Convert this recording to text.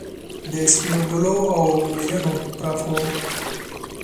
د سپینو ګلو، اومیینو پرخو،